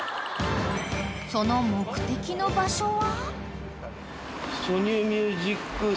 ［その目的の場所は？］